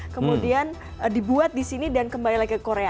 kemudian dibuat di sini dan kembali lagi ke korea